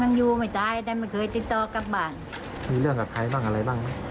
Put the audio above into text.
แล้วลูกเราก็เป็นคนเฉยด้วย